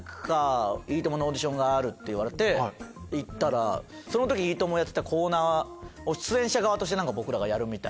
『いいとも！』のオーディションがあるって言われて行ったら『いいとも！』がやってたコーナー出演者側として僕らがやる。